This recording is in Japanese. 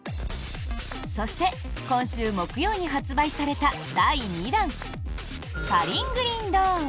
そして今週木曜に発売された第２弾「パリングリンドーン」。